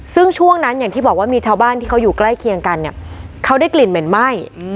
ซึ่งช่วงนั้นอย่างที่บอกว่ามีชาวบ้านที่เขาอยู่ใกล้เคียงกันเนี่ยเขาได้กลิ่นเหม็นไหม้